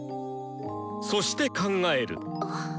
そして考える。